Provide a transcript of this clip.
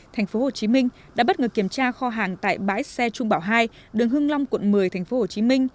tp hcm đã bất ngờ kiểm tra kho hàng tại bãi xe trung bảo hai đường hưng long quận một mươi tp hcm